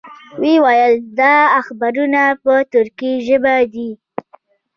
وې ویل دا اخبارونه په تُرکي ژبه دي.